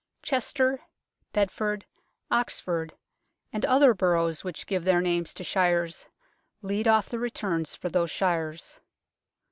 Chester, Bedford, Oxford, and other boroughs which give their names to shires lead off the returns for those shires.